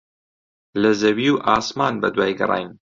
لە زەوی و ئاسمان بەدوای گەڕاین.